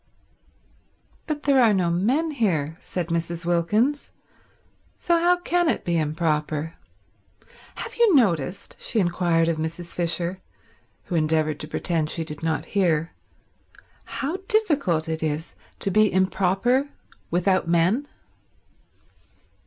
"But there are no men here," said Mrs. Wilkins, "so how can it be improper? Have you noticed," she inquired of Mrs. Fisher, who endeavoured to pretend she did not hear, "How difficult it is to be improper without men?"